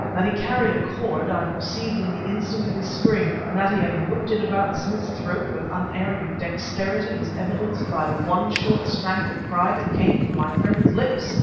That he carried a cord, I perceived in the instant of his spring, and that he had whipped it about Smith's throat with unerring dexterity was evidenced by the one, short, strangled cry that came from my friend's lips.